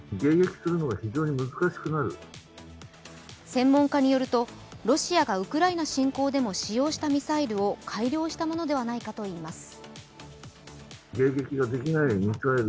専門家によると、ロシアがウクライナ侵攻でも使用したミサイルを改良したものではないかといいます。